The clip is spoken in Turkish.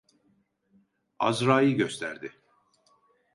Azra'yı gösterdi.